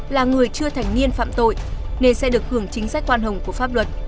là người chưa thành niên phạm tội nên sẽ được hưởng chính sách quan hồng của pháp luật